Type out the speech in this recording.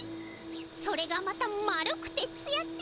それがまた丸くてツヤツヤ！